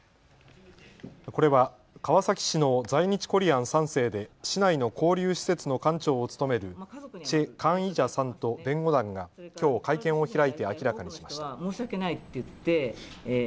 これは川崎市の在日コリアン３世で市内の交流施設の館長を務める崔江以子さんと弁護団がきょう会見を開いて明らかにしました。